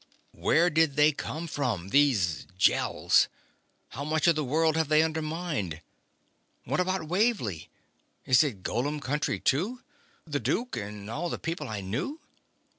"Where did they come from, those Gels? How much of the world have they undermined? What about Wavly? Is it a golem country too? The Duke ... and all the people I knew?"